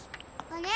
あれ？